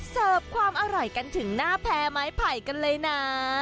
เสิร์ฟความอร่อยกันถึงหน้าแพ้ไม้ไผ่กันเลยนะ